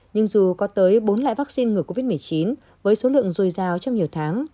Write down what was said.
nhưng dù có tới bốn loại vaccine ngừa covid một mươi chín với số lượng dồi dào trong nhiều tháng